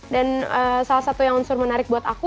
dan salah satu yang unsur menarik buat aku